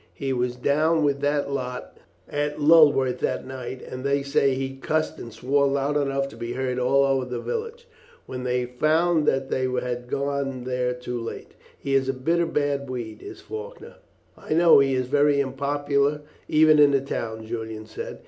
He was down with that lot at Lulworth that night, and they say he cussed and swore loud enough to be heard all over the village, when they found that they had got there too late. He is a bitter bad weed, is Faulkner." "I know he is very unpopular even in the town," Julian said.